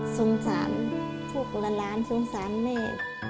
สงสารพวกหลานสงสารแม่